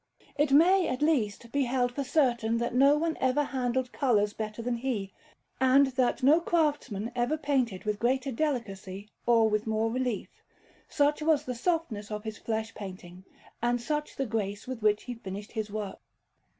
It may, at least, be held for certain that no one ever handled colours better than he, and that no craftsman ever painted with greater delicacy or with more relief, such was the softness of his flesh painting, and such the grace with which he finished his works.